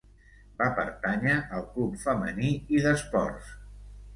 Va pertànyer al Club Femení i d'Esports.